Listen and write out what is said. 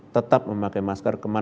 tetap memakai masker kemampuan